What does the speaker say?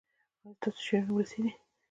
ایا ستاسو شعرونه ولسي دي؟